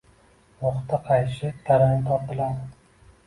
No`xta qayishi tarang tortiladi